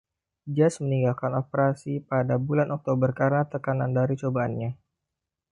Jas meninggalkan operasi pada bulan Oktober karena tekanan dari cobaannya.